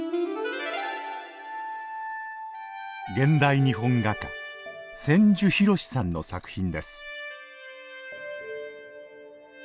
現代日本画家千住博さんの作品です